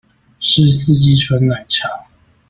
是四季春奶茶